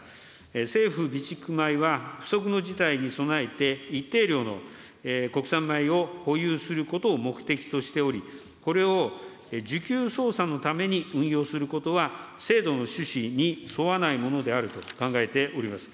政府備蓄米は、不測の事態に備えて一定量の国産米を保有することを目的としており、これを需給操作のために運用することは、制度の趣旨に沿わないものであると考えております。